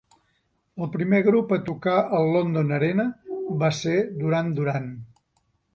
El primer grup a tocar al London Arena va ser Duran Duran.